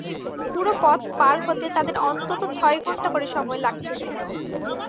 পুরো পথ পার হতে তাদের অন্তত ছয় ঘণ্টা করে সময় লাগছে।